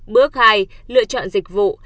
bước hai lựa chọn dịch vụ